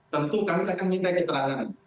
tentu kami akan minta keterangan